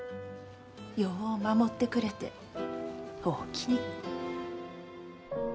よう守ってくれておおきに。